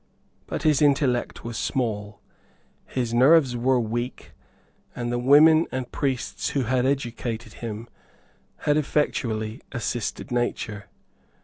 But his intellect was small; his nerves were weak; and the women and priests who had educated him had effectually assisted nature.